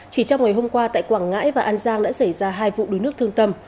chỉ trong ngày hôm qua tại quảng ngãi và an giang đã xảy ra hai vụ đuối nước thương tâm